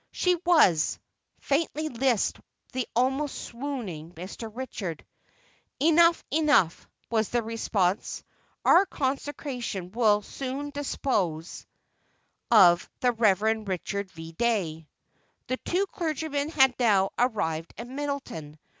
"She was," faintly lisped the almost swooning Mr. Richard. "Enough, enough," was the response. "Our Consociation will soon dispose of the Rev. Richard V. Dey." The two clergymen had now arrived at Middletown.